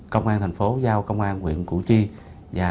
công an tp hcm giao công an tp hcm